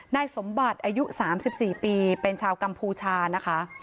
นายสมบัติอายุ๓๔ปีเป็นชาวกัมพูชานะคะ